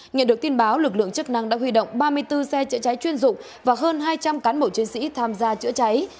nhận được tin báo lực lượng chức năng đã huy động ba mươi bốn xe chữa cháy chuyên dụng và hơn hai trăm linh cán bộ chiến sĩ tham gia chữa cháy